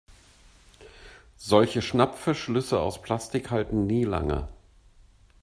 Solche Schnappverschlüsse aus Plastik halten nie lange.